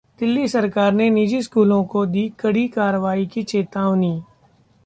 दिल्ली सरकार ने निजी स्कूलों को दी कड़ी कार्रवाई की चेतावनी